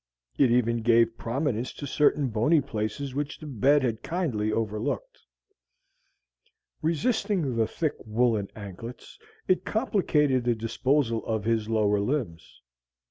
It even gave prominence to certain bony places which the bed had kindly overlooked. Resisting the thick woolen anklets, it complicated the disposal of his lower limbs.